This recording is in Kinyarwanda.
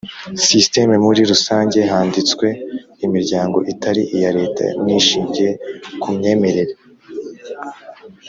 system Muri rusange handitswe imiryango itari iya Leta n ishingiye ku myemerere